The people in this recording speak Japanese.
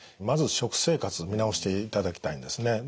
まず食生活見直していただきたいんですね。